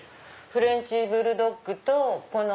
フレンチブルドッグと。